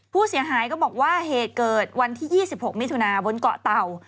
ผู้เสียหายก็บอกว่าเหตุเกิดวันที่๒๖มิถุนาบนเกาะเต่า